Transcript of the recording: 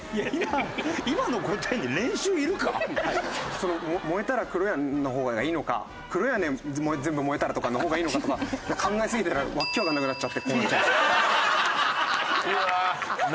その「燃えたら黒やん」の方がいいのか「黒やねん全部燃えたら」とかの方がいいのかとか考えすぎて訳わかんなくなっちゃってこうなっちゃいました。